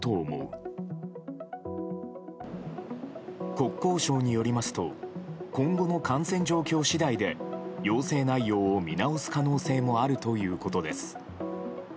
国交省によりますと今後の感染状況次第で要請内容を見直す可能性もあるということです。